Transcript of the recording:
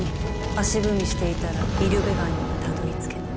足踏みしていたらイルベガンにはたどりつけない。